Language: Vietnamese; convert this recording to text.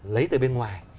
lấy từ bên ngoài